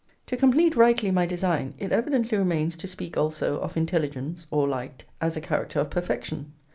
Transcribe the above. To complete rightly my design, it evidently remains to speak also of intelligence, or light, as a character of perfection.